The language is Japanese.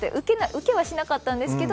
ウケはしなかったんですけど。